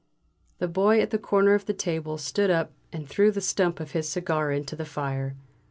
The Boy at the corner of the table stood up and threw the stump of his cigar into the fire.